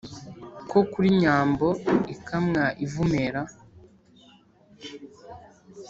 ko kuri nyambo ikamwa ivumera.